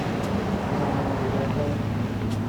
You don't remember the Death Belt?